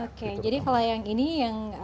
oke jadi kalau yang ini yang flip oled itu apa